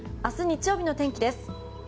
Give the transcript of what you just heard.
明日、日曜日の天気です。